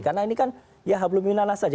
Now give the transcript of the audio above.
karena ini kan ya hablum minanah saja